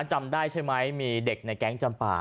จำได้ใช่ไหมมีเด็กในแก๊งจำป่า